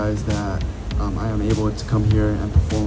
และทำให้แบบนี้สำเร็จ